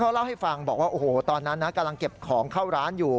เล่าให้ฟังบอกว่าโอ้โหตอนนั้นนะกำลังเก็บของเข้าร้านอยู่